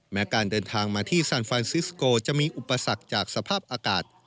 การเดินทางมาที่ซานฟานซิสโกจะมีอุปสรรคจากสภาพอากาศ